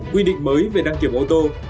một quy định mới về đăng kiểm ô tô